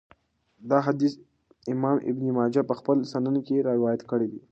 دا حديث امام ابن ماجه په خپل سنن کي روايت کړی دی .